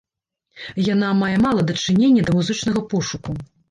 Яна мае мала дачынення да музычнага пошуку.